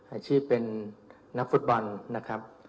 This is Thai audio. อาชีพเป็นนักฟุตบอลนะครับ